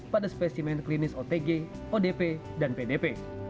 pada spesimen klinis otg odp dan pdp